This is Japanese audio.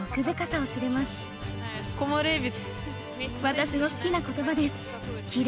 私の好きな言葉です。